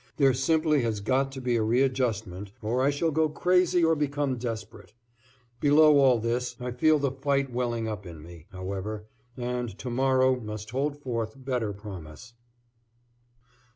There simply has got to be a readjustment or I shall go crazy or become desperate. Below all this I feel the fight welling up in me, however, and to morrow must hold forth better promise.